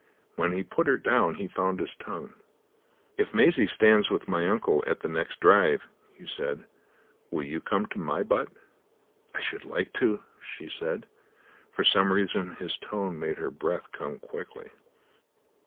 When he put her down he found his tongue. "If Maisie stands with my uncle at the next drive," he said, "will you come to my butt?" "I should like to," she said. For some reason his tone made her breath come quickly.